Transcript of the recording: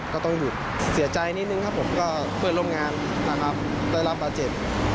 ก็ต้องหยุดเสียใจนิดนึงครับผมก็เพื่อนร่วมงานนะครับได้รับบาดเจ็บ